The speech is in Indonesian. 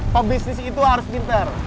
pembangunan itu harus pintar